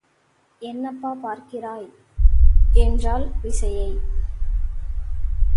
என்னப்பா பார்க்கிறாய்! என்றாள் விசயை.